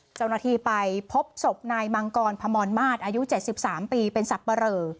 เจ้าหน้าที่ไปพบศพนายมังกรพมรมาสอายุเจ็ดสิบสามปีเป็นสับประเหรอ